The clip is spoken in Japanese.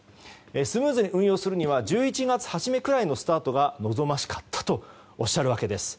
スムーズに運用するには１１月初めくらいのスタートが望ましかったとおっしゃるわけです。